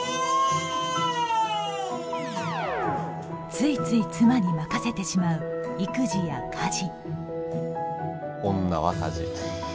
ついつい妻に任せてしまう育児や家事。